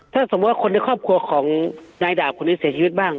ถ้าสมมุติว่าคนในครอบครัวของนายดาบคนนี้เสียชีวิตบ้าง